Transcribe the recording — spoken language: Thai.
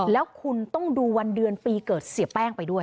แล้วคุณต้องดูวันเดือนปีเกิดเสียแป้งไปด้วย